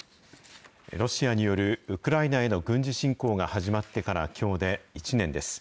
ロシアによるウクライナへの軍事侵攻が始まってからきょうで１年です。